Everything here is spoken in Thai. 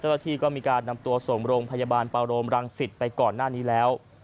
เจ้าหน้าที่ก็มีการนำตัวส่งโรงพยาบาลปาโรมรังสิตไปก่อนหน้านี้แล้ว